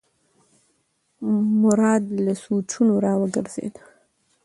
مراد له سوچونو راوګرځېد.